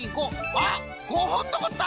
あっ５ほんのこった！